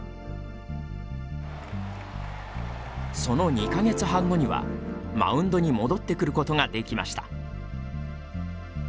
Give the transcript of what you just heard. その２か月半後にはマウンドに戻ってくることができました。